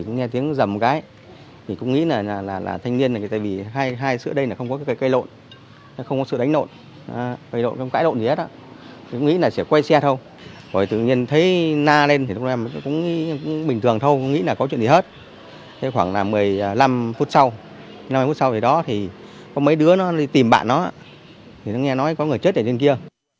nghe nói có người chết ở trên kia